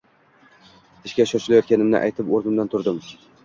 Ishga shoshayotganimni aytib, o`rnimdan turdim